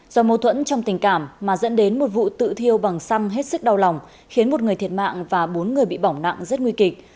do mâu thuẫn trong tình cảm mà dẫn đến một vụ tự thiêu bằng xăm hết sức đau lòng khiến một người thiệt mạng và bốn người bị bỏng nặng rất nguy kịch